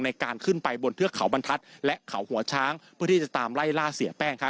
ในการขึ้นไปบนเทือกเขาบรรทัศน์และเขาหัวช้างเพื่อที่จะตามไล่ล่าเสียแป้ง